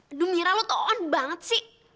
aduh mira lo tohon banget sih